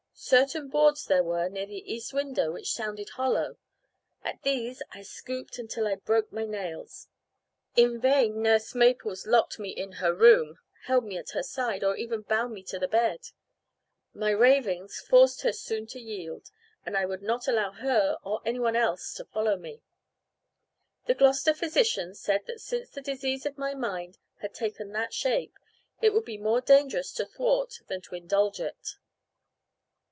Certain boards there were near the east window which sounded hollow; at these I scooped until I broke my nails. In vain nurse Maples locked me in her room, held me at her side, or even bound me to the bed. My ravings forced her soon to yield, and I would not allow her, or any one else, to follow me. The Gloucester physician said that since the disease of my mind had taken that shape, it would be more dangerous to thwart than to indulge it.